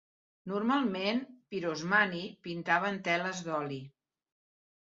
Normalment, Pirosmani pintava en teles d'oli.